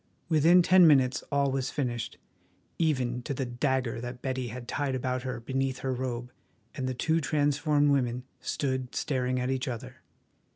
Within ten minutes all was finished, even to the dagger that Betty had tied about her beneath her robe, and the two transformed women stood staring at each other.